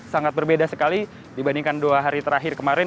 sangat berbeda sekali dibandingkan dua hari terakhir kemarin